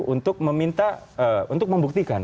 untuk meminta untuk membuktikan